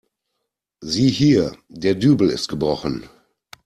Sieh hier, der Dübel ist gebrochen.